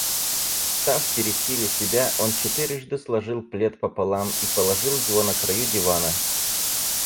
Встав пересиля себя, он четырежды сложил плед пополам и положил его на краю дивана.